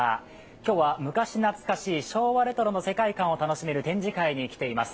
今日は昔懐かしい昭和レトロの世界観を楽しめる展示会に来ています。